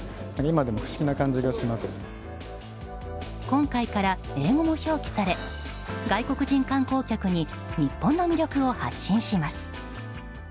今回から英語も表記され外国人観光客に日本の魅力を発信します。